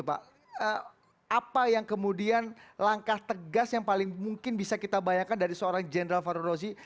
apa yang kemudian langkah tegas yang paling mungkin bisa kita bayangkan dari seorang jenderal farul rozi